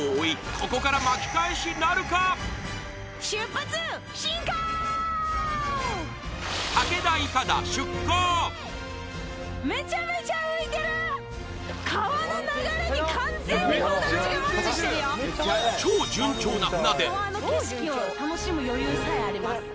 ここから超順調な船出川の景色を楽しむ余裕さえあります